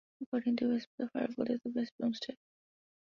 According to Whisp, the Firebolt is the best broomstick.